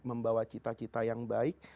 membawa cita cita yang baik